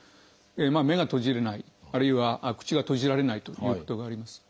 目が閉じれないあるいは口が閉じられないということがあります。